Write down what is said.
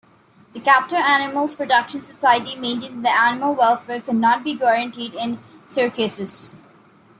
The Captive Animals Protection Society maintains that animal welfare cannot be guaranteed in circuses.